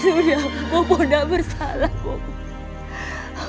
sudah bopo tidak bersalah bopo